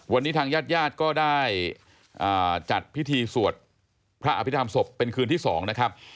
วันนี้ทางญาติญาติก็ได้จัดพิธีสวดพระอภิษฐรรมศพเป็นคืนที่๒นะครับ